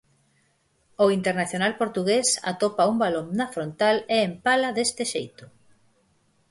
O internacional portugués atopa un balón na frontal e empala deste xeito.